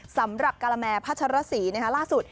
สำหรับกาลแมพัชรสีนะครับล่าสุด